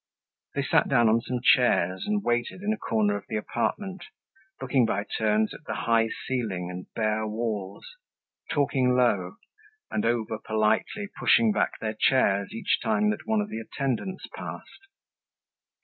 They sat down on some chairs and waited in a corner of the apartment, looking by turns at the high ceiling and bare walls, talking low, and over politely pushing back their chairs each time that one of the attendants passed.